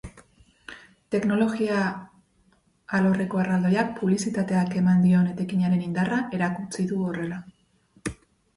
Teknologia alorreko erraldoiak publizitateak eman dion etekinaren indarra erakutsi du horrela.